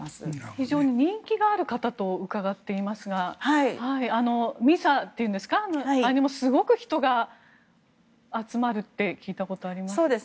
非常に人気がある方と伺っていますがミサなどでも人がすごく集まると聞いたことがあります。